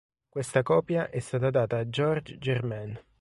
Questa copia è stata data a George Germain.